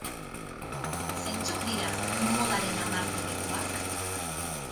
Zeintzuk dira modaren hamar debekuak?